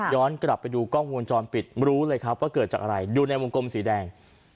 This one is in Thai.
กลับไปดูกล้องวงจรปิดรู้เลยครับว่าเกิดจากอะไรดูในวงกลมสีแดง